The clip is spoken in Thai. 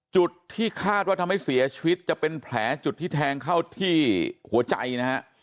จุดที่คาดว่าทำให้เสียชีวิตจะเป็นแผลจุดที่แทงเข้าที่หัวใจนะฮะ